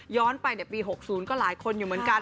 ไปปี๖๐ก็หลายคนอยู่เหมือนกัน